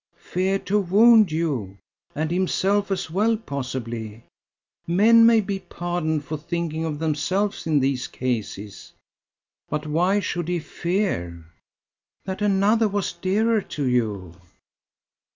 "Feared to wound you and himself as well, possibly. Men may be pardoned for thinking of themselves in these cases." "But why should he fear?" "That another was dearer to you?"